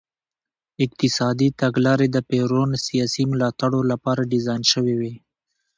اقتصادي تګلارې د پېرون سیاسي ملاتړو لپاره ډیزاین شوې وې.